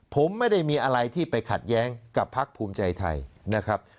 ผมไม่ได้มีอะไรที่ไปขัดแย้งกับพักภูมิใจไทยนะครับ